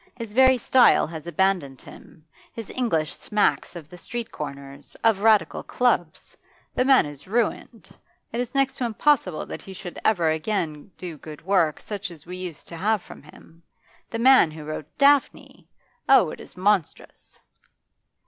His very style has abandoned him, his English smacks of the street corners, of Radical clubs. The man is ruined; it is next. to impossible that he should ever again do good work, such as we used to have from him. The man who wrote "Daphne"! Oh, it is monstrous!